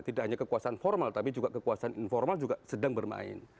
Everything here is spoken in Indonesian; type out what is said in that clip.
tidak hanya kekuasaan formal tapi juga kekuasaan informal juga sedang bermain